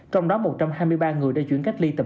trong đó một trăm hai mươi ba người đã chuyển cách ly tập